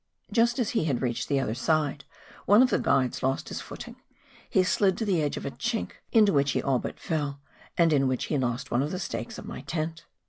Just as he had reached the other side, one of the guides lost his footing; he slid to the edge of a chink, into which he all but fell, and in which he lost one of the stakes of my tent.